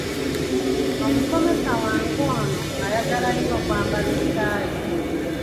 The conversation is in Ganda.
Omusomesa wange ono ayagala nnyo okwambala ettaayi.